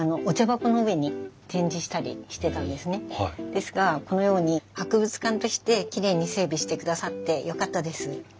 ですがこのように博物館としてきれいに整備してくださってよかったです。